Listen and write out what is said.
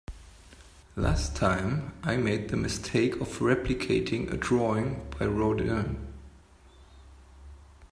Last time, I made the mistake of replicating a drawing by Rodin.